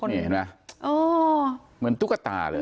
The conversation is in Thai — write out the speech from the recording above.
เห็นมั้ยเหมือนตุ๊กตาเลย